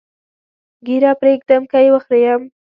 ږیره پرېږدم که یې وخریم؟